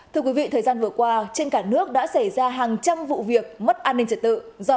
thưa quý vị thời gian vừa qua trên cả nước đã xảy ra hàng trăm vụ việc mất an ninh trật tự do